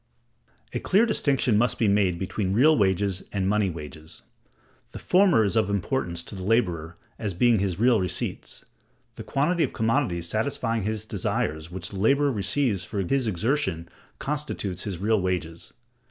A clear distinction must be made between real wages and money wages; the former is of importance to the laborer as being his real receipts. The quantity of commodities satisfying his desires which the laborer receives for his exertion constitutes his real wages.